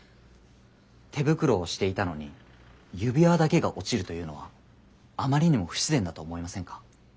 手袋をしていたのに指輪だけが落ちるというのはあまりにも不自然だと思いませんか？